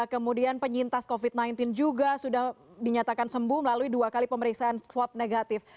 kemudian penyintas covid sembilan belas juga sudah dinyatakan sembuh melalui dua kali pemeriksaan swab negatif